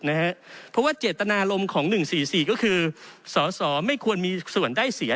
เพราะว่าเจตนารมณ์ของ๑๔๔ก็คือสสไม่ควรมีส่วนได้เสีย